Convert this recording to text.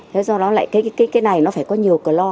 thế do đó lại cái này nó phải có nhiều clor